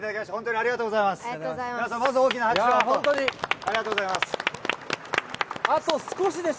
ありがとうございます。